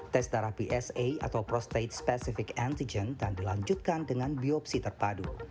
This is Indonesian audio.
tes terapi sa atau prostate specific antigen dan dilanjutkan dengan biopsi terpadu